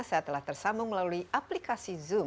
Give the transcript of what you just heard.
saya telah tersambung melalui aplikasi zoom